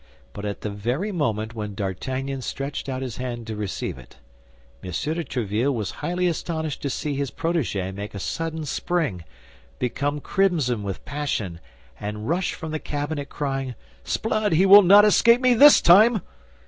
But at the very moment when D'Artagnan stretched out his hand to receive it, M. de Tréville was highly astonished to see his protégé make a sudden spring, become crimson with passion, and rush from the cabinet crying, "S'blood, he shall not escape me this time!"